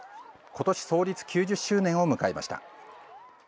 今年、創立９０周年を迎えました。